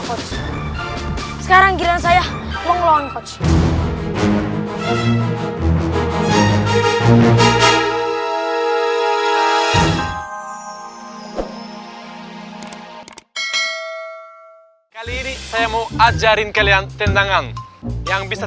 coach sekarang giliran saya mengelon coach kali ini saya mau ajarin kalian tendangan yang bisa